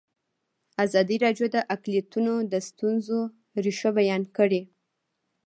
ازادي راډیو د اقلیتونه د ستونزو رېښه بیان کړې.